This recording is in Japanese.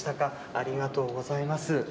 ありがとうございます。